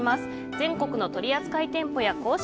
全国の取扱店舗や公式